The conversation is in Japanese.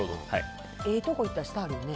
ええとこ行ったらしてはるよね。